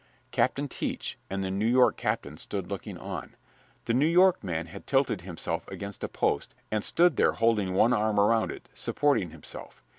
Captain Teach and the New York captain stood looking on. The New York man had tilted himself against a post and stood there holding one arm around it, supporting himself.